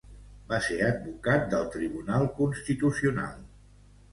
Va ser advocat del Tribunal Constitucional.